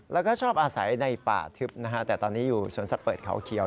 แล้วก็ชอบอาศัยในป่าทึบนะฮะแต่ตอนนี้อยู่สวนสัตว์เปิดเขาเขียว